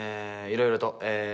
いろいろとええー